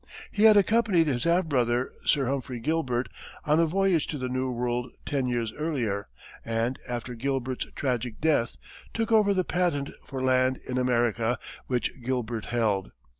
He had accompanied his half brother, Sir Humphrey Gilbert, on a voyage to the New World ten years earlier, and after Gilbert's tragic death, took over the patent for land in America which Gilbert held.